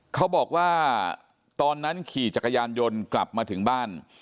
เขาบอกว่าตอนนั้นขี่จักรยานยนต์กลับมาถึงบ้าน